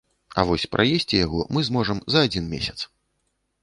А вось праесці яго мы зможам за адзін месяц.